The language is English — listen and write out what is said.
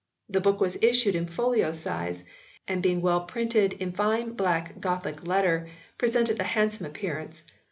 The book was issued in folio size, and being well printed in fine black Gothic letter presented a handsome appearance.